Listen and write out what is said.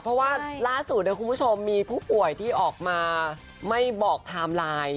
เพราะว่าล่าสุดคุณผู้ชมมีผู้ป่วยที่ออกมาไม่บอกไทม์ไลน์